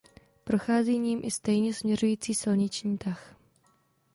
Prochází ním i stejně směřující silniční tah.